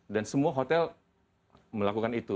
dan semua hotel melakukan itu